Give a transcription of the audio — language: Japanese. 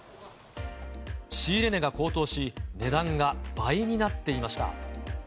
仕入れ値が高騰し、値段が倍になっていました。